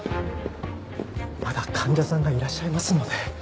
まだ患者さんがいらっしゃいますので。